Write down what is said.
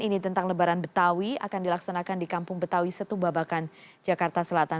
ini tentang lebaran betawi akan dilaksanakan di kampung betawi setubabakan jakarta selatan